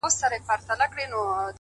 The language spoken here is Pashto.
چي د ښـكلا خبري پټي ساتي,